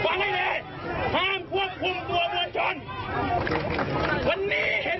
วันนี้เห็นไหมครับว่ามันทำอะไรกับเรากระหลักขนาดทุกอย่าง